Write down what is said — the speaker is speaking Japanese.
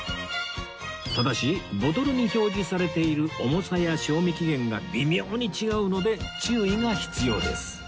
ただしボトルに表示されている重さや賞味期限が微妙に違うので注意が必要です